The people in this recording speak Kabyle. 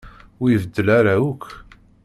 Ur ibeddel ara akk.